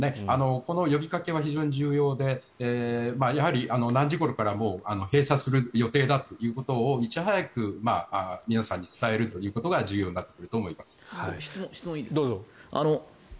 この呼びかけは非常に重要でやはり何時ごろから閉鎖する予定だということをいち早く皆さんに伝えるということが重要になってくると思います。